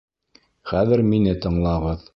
— Хәҙер мине тыңлағыҙ.